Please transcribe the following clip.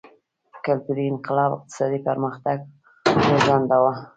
کلتوري انقلاب اقتصادي پرمختګ وځنډاوه.